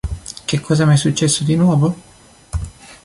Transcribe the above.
Che cosa mi è successo di nuovo?